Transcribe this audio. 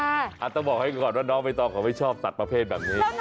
อาจจะบอกให้ก่อนว่าน้องไม่ต้องเขาไม่ชอบตัดประเภทแบบนี้